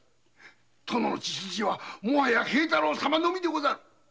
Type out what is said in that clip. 殿の血筋はもはや平太郎様のみでござる。